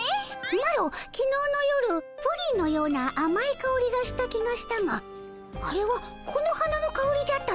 マロきのうの夜プリンのようなあまいかおりがした気がしたがあれはこの花のかおりじゃったのかの？